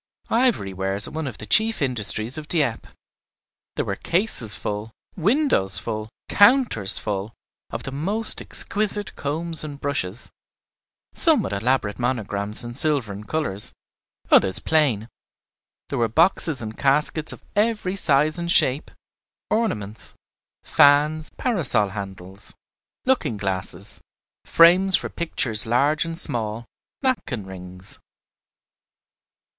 Ivory wares are one of the chief industries of Dieppe. There were cases full, windows full, counters full, of the most exquisite combs and brushes, some with elaborate monograms in silver and colors, others plain; there were boxes and caskets of every size and shape, ornaments, fans, parasol handles, looking glasses, frames for pictures large and small, napkin rings.